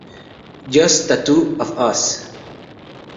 Just Tattoo of Us?